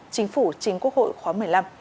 chính phủ chính quốc hội khóa một mươi năm